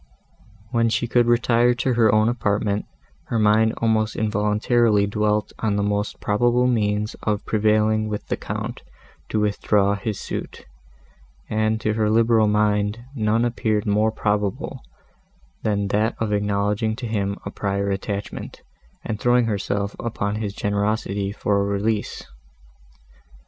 When she could retire to her own apartment, her mind almost involuntarily dwelt on the most probable means of prevailing with the Count to withdraw his suit, and to her liberal mind none appeared more probable, than that of acknowledging to him a prior attachment and throwing herself upon his generosity for a release.